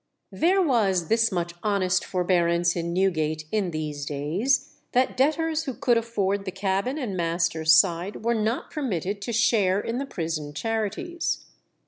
There was this much honest forbearance in Newgate in these days, that debtors who could afford the cabin and master's side were not permitted to share in the prison charities.